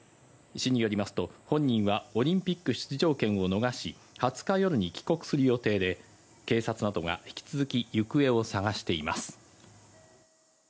市によりますと、本人はオリンピック出場権を逃し、２０日夜に帰国する予定で、警察などが引き続き行方を捜しています。